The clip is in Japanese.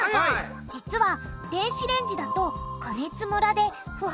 実は電子レンジだと加熱ムラで不発